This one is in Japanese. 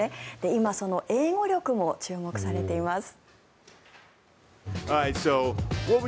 今、その英語力も注目されています。